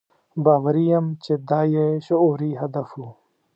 باوري یم چې دا یې شعوري هدف و.